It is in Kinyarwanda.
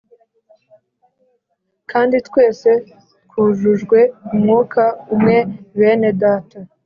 Kandi twese twujujwe Umwuka umweBene Data,